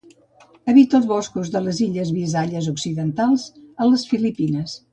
Habita els boscos de les illes Visayas occidentals, a les Filipines.